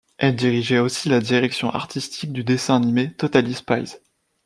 Elle dirigeait aussi la direction artistique du dessin animé Totally Spies.